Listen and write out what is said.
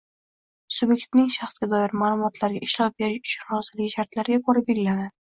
subyektning shaxsga doir ma’lumotlarga ishlov berish uchun roziligi shartlariga ko‘ra belgilanadi.